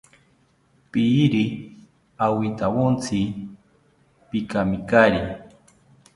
Piiri awintawontzi, pikamikari